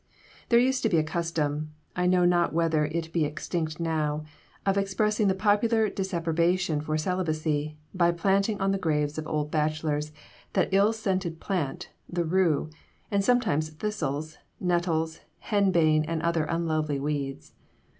There used to be a custom I know not whether it be extinct now of expressing the popular disapprobation for celibacy by planting on the graves of old bachelors that ill scented plant, the rue, and sometimes thistles, nettles, henbane, and other unlovely weeds.